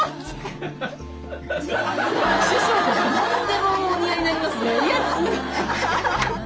師匠って何でもお似合いになりますね。